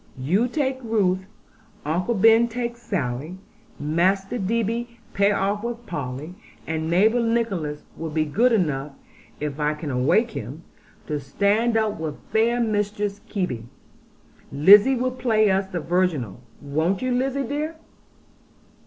You take Ruth; Uncle Ben take Sally; Master Debby pair off with Polly; and neighbour Nicholas will be good enough, if I can awake him, to stand up with fair Mistress Kebby. Lizzie will play us the virginal. Won't you, Lizzie dear?'